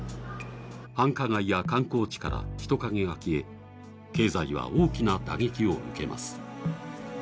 繁華街や観光地から人影が消え経済は大きな打撃を受けます。